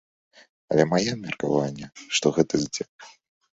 Але маё меркаванне, што гэта здзек.